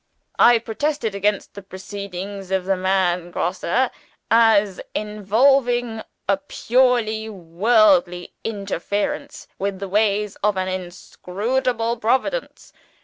I protested against the proceedings of the man Grosse, as involving a purely worldly interference with the ways of an inscrutable Providence.